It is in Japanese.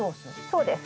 そうです。